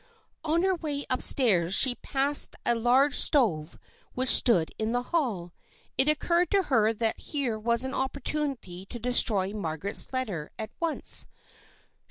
On her way up stairs she passed a large stove which stood in the hall. It occurred to her that here was an opportunity to destroy Margaret's let ter at once.